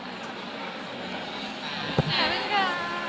ขอบคุณค่ะ